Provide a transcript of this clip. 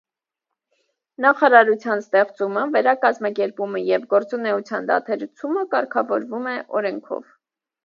Նախարարության ստեղծումը, վերակազմակերպումը և գործունեության դադարեցումը կարգավորվում է օրենքով։